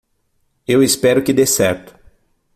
Eu espero que dê certo.